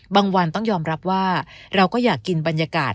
วันต้องยอมรับว่าเราก็อยากกินบรรยากาศ